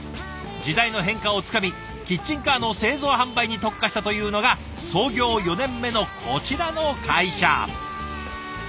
時代の変化をつかみキッチンカーの製造販売に特化したというのが創業４年目のこちらの会社。